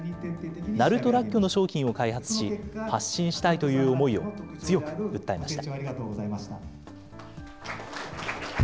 鳴門らっきょの商品を開発し、発信したいという思いを強く訴えました。